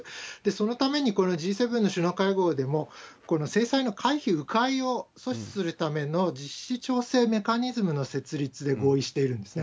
そのためにこのＧ７の首脳会合でも、この制裁の回避、う回を阻止するための実施調整メカニズムの設立で合意してるんですね。